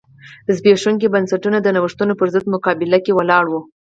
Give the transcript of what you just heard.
زبېښونکي بنسټونه د نوښتونو پرضد مقابله کې ولاړ و.